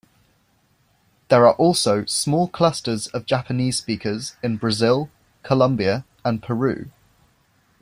There are also small clusters of Japanese-speakers in Brazil, Colombia and Peru.